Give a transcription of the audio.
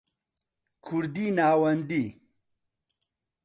کوردیی ناوەندی